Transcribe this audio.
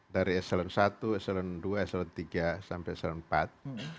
dari eselen satu eselen dua eselen tiga sampai eselen empat